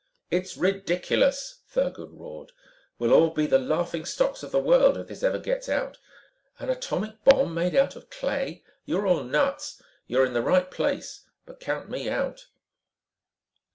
"It's ridiculous," Thurgood roared. "We'll all be the laughingstocks of the world if this ever gets out. An atomic bomb made out of clay. You are all nuts. You're in the right place, but count me out."